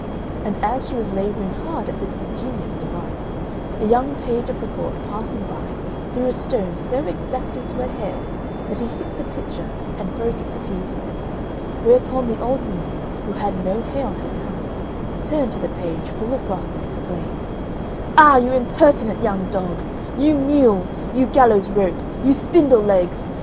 And as she was labouring hard at this ingenious device, a young page of the court passing by threw a stone so exactly to a hair that he hit the pitcher and broke it to pieces. Whereupon the old woman, who had no hair on her tongue, turned to the page, full of wrath, and exclaimed, "Ah, you impertinent young dog, you mule, you gallows rope, you spindle legs!